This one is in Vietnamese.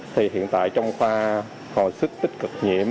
thì hiện tại trong khoa hồi sức tích cực nhiễm